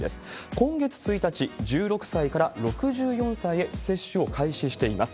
今月１日、１６歳から６４歳へ接種を開始しています。